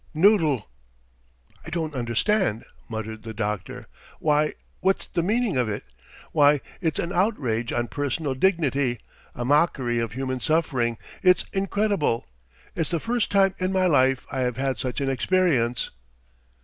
Noodle!" "I don't understand ..." muttered the doctor. "Why, what's the meaning of it? Why, it's an outrage on personal dignity, a mockery of human suffering! It's incredible. ... It's the first time in my life I have had such an experience!"